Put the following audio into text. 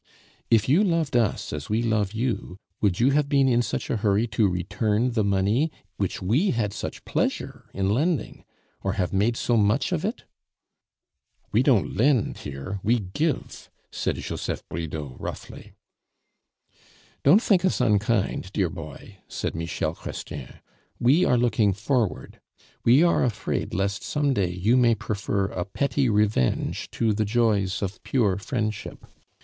"If you loved us as we love you, would you have been in such a hurry to return the money which we had such pleasure in lending? or have made so much of it?" "We don't lend here; we give," said Joseph Bridau roughly. "Don't think us unkind, dear boy," said Michel Chrestien; "we are looking forward. We are afraid lest some day you may prefer a petty revenge to the joys of pure friendship.